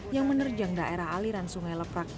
yang menerjang daerah aliran sungai leprak